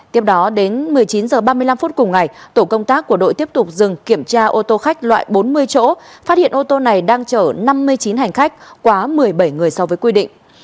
tiếp đó đến một mươi chín h ba mươi năm phút cùng ngày tổ công tác của đội tiếp tục dừng kiểm tra ô tô khách loại bốn mươi chỗ phát hiện ô tô này đang chở năm mươi chín hành khách quá một mươi bảy người so với quy định